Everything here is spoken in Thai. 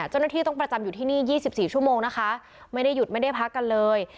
เจ้าหน้าที่ต้องประจำอยู่ที่นี่๒๔ชั่วโมงนะคะไม่ได้หยุดไม่ได้พักกันเลย